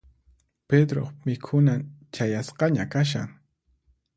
Pedroq mikhunan chayasqaña kashan.